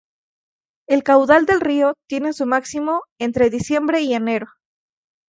El caudal del río tiene su máximo entre diciembre y enero.